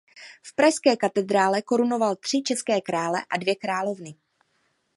V pražské katedrále korunoval tři české krále a dvě královny.